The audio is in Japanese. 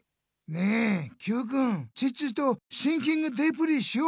ねえＱくんチッチとシンキングデープリーしようよ？